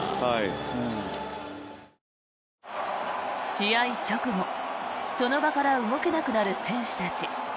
試合直後、その場から動けなくなる選手たち。